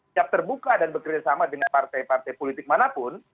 yang terbuka dan berkerjasama dengan partai partai politik manapun